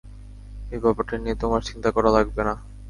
এই ব্যাপারটা নিয়ে তোমার চিন্তা করা লাগবে না।